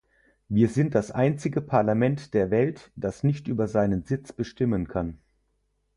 Wir sind das einzige Parlament der Welt, das nicht über seinen Sitz bestimmen kann.